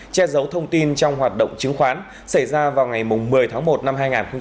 che giấu thông tin trong hoạt động chứng khoán xảy ra vào ngày một mươi tháng một năm hai nghìn hai mươi